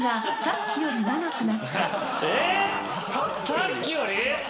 「さっきより」！？